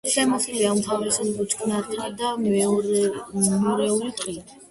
შემოსილია უმთავრესად ბუჩქნარითა და მეორეული ტყით.